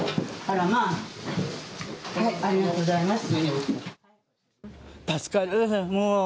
ありがとうございます。